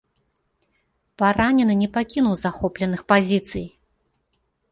Паранены не пакінуў захопленых пазіцый.